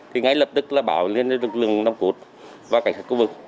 thì ngay lập tức là bảo lên lực lượng nông cụt và cảnh sát khu vực